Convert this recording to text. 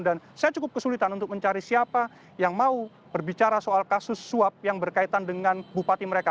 dan saya cukup kesulitan untuk mencari siapa yang mau berbicara soal kasus suap yang berkaitan dengan bupati mereka